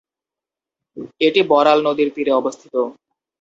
এটি বড়াল নদীর তীরে অবস্থিত।